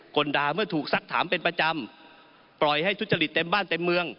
ด่าเมื่อถูกสักถามเป็นประจำปล่อยให้ทุจริตเต็มบ้านเต็มเมือง